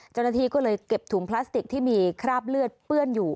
เจ้าหน้าที่ก็เลยเก็บถุงพลาสติกที่มีคราบเลือดเปื้อนอยู่